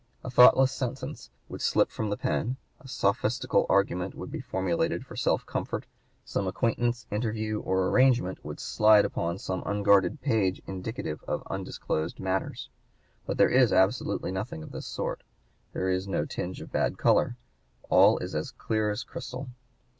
A thoughtless sentence would slip from the pen, a sophistical argument would be (p. 165) formulated for self comfort, some acquaintance, interview, or arrangement would slide upon some unguarded page indicative of undisclosed matters. But there is absolutely nothing of this sort. There is no tinge of bad color; all is clear as crystal.